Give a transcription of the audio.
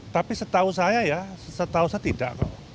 tapi setahu saya ya setahu saya tidak